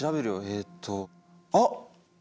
えっとあっ！